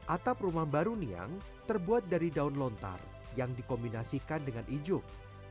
atap rumah baru niang terbuat dari daun lontar yang dikombinasikan dengan ijuk